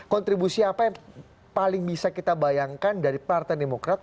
kontribusi apa yang paling bisa kita bayangkan dari partai demokrat